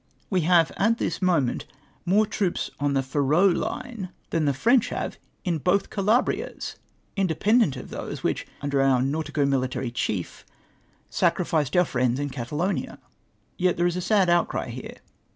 We have at this moment more troops onthe Faroe line, than the French have in hoth Calahrias — independent of those which, under our nautico military chief, sacrificed our friends in Catalonia. Yet there is a sad outcry here.